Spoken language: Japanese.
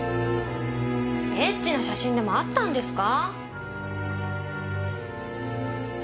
エッチな写真でもあったんですか？